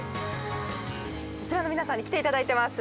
こちらの皆さんに来ていただいてます。